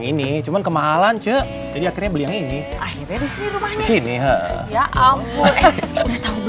ini cuman kemahalan cek jadi akhirnya beli yang ini akhirnya di sini rumah sini ya ampun